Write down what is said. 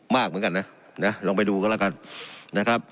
มากเหมือนกันนะนะลองไปดูกันแล้วกันนะครับ